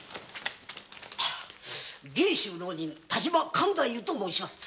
下衆浪人田島勘太夫と申します。